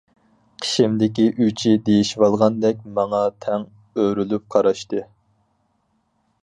قېشىمدىكى ئۈچى دېيىشىۋالغاندەك ماڭا تەڭ ئۆرۈلۈپ قاراشتى.